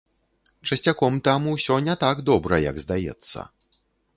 Часцяком там усё не так добра, як здаецца.